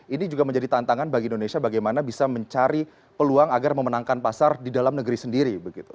ini juga menjadi tantangan bagi indonesia bagaimana bisa mencari peluang agar memenangkan pasar di dalam negeri sendiri